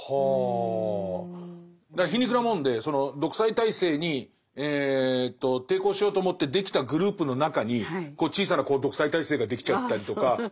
だから皮肉なもんでその独裁体制に抵抗しようと思ってできたグループの中に小さな独裁体制ができちゃったりとか。